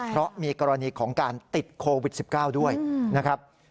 เพราะมีกรณีของการติดโควิด๑๙ด้วยนะครับ